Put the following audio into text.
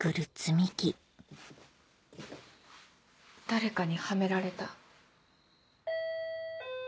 誰かにはめられた。